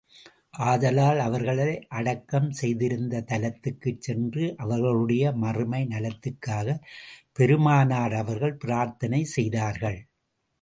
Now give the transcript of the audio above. ஆதலால், அவர்களை அடக்கம் செய்திருந்த தலத்துக்குச் சென்று, அவர்களுடைய மறுமை நலத்துக்காகப் பெருமானார் அவர்கள் பிரார்த்தனை செய்தார்கள்.